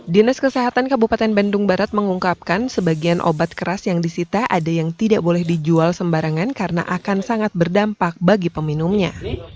dinas kesehatan kabupaten bandung barat mengungkapkan sebagian obat keras yang disita ada yang tidak boleh dijual sembarangan karena akan sangat berdampak bagi peminumnya